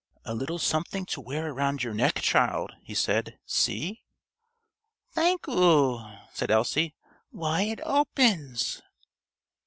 "A little something to wear round your neck, child," he said. "See!" "Thank oo," said Elsie. "Why, it opens!"